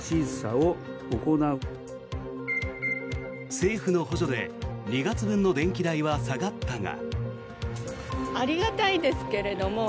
政府の補助で２月分の電気代は下がったが。